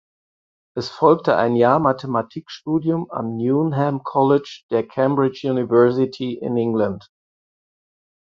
Es folgte ein Jahr Mathematikstudium am Newnham College der Cambridge University in England.